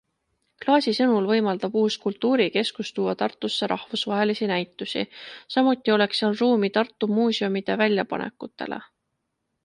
Klaasi sõnul võimaldab uus kultuurikeskus tuua Tartusse rahvusvahelisi näitusi, samuti oleks seal ruumi Tartu muuseumide väljapanekutele.